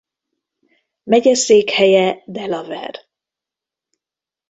Megyeszékhelye Delaware.